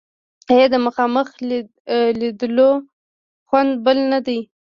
آیا د مخامخ لیدلو خوند بل نه دی؟